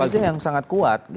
salah satu yang sangat kuat